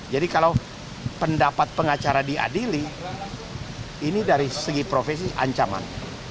jadi kalau pendapat pengacara diadili ini dari segi profesi ancaman